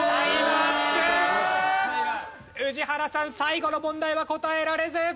宇治原さん最後の問題は答えられず！